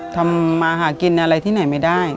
ทำมาหากินอะไรที่ไหนไม่ได้